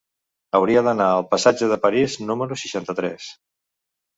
Hauria d'anar al passatge de París número seixanta-tres.